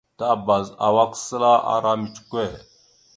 Tabaz awak səla ara micəkœr.